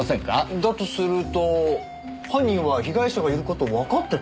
だとすると犯人は被害者がいる事をわかってた。